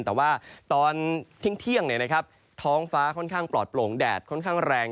แต่ว่าตอนเที่ยงท้องฟ้าค่อนข้างปลอดโปร่งแดดค่อนข้างแรง